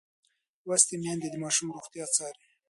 لوستې میندې د ماشوم روغتیا څاري.